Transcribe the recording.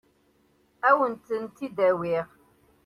Ad wen-tent-id-awiɣ.